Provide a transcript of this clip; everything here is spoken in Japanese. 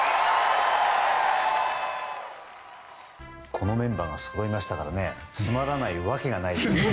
このメンバーがそろいましたからつまらないわけがないです。